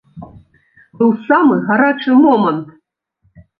Быў самы гарачы момант.